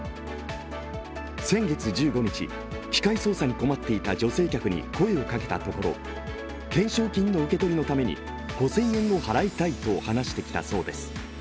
先月１５日、機械操作に困っていた女性客に声をかけたところ、懸賞金の受け取りのために５０００円を払いたいと話してきたそうです。